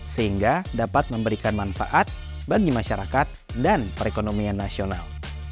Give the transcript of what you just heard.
sehingga dapat memberikan manfaat bagi masyarakat dan perekonomian nasional